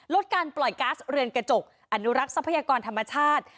ลดการปล่อยก๊าซเรือนกระจกอนุรักษ์ทรัพยากรธรรมชาติ